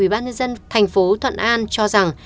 ubnd tp thuận an cho rằng